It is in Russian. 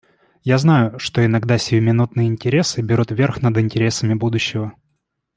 Я знаю, что иногда сиюминутные интересы берут верх над интересами будущего.